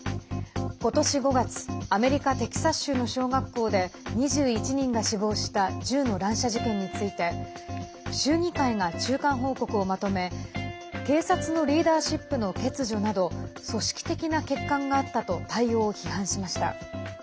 ことし５月アメリカ・テキサス州の小学校で２１人が死亡した銃の乱射事件について州議会が中間報告をまとめ警察のリーダーシップの欠如など組織的な欠陥があったと対応を批判しました。